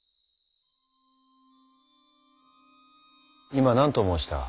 今何と申した？